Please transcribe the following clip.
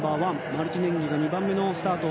マルティネンギは２番目のスタート。